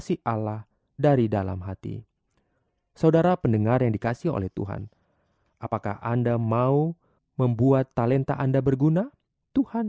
sampai jumpa di video selanjutnya